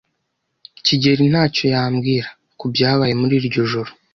kigeli ntacyo yambwira kubyabaye muri iryo joro.